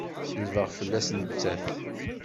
Selbeɣ fell-as nettat!